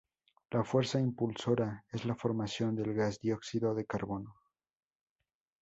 La fuerza impulsora es la formación del gas dióxido de carbono.